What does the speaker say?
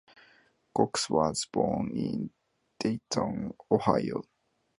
Cox was born in Dayton, Ohio.